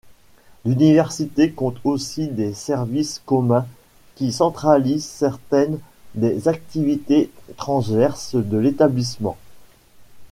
L’université compte aussi des services communs qui centralisent certaines des activités transverses de l’établissement.